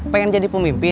pengen jadi pemimpin